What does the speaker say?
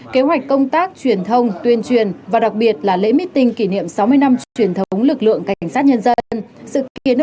kế hoạch công tác truyền thông tuyên truyền và đặc biệt là lễ meeting kỷ niệm sáu mươi năm truyền thống lực lượng cảnh sát nhân dân